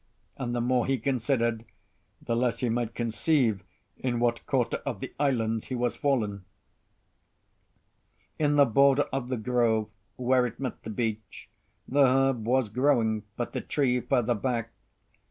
And the more he considered, the less he might conceive in what quarter of the islands he was fallen. In the border of the grove, where it met the beach, the herb was growing, but the tree further back.